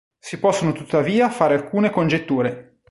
Si possono tuttavia fare alcune congetture.